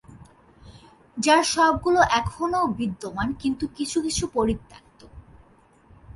যার সবগুলো এখনো বিদ্যমান, কিন্তু কিছু কিছু পরিত্যক্ত।